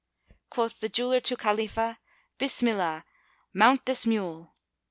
Quoth the jeweller to Khalifah, "Bismillah, mount this mule."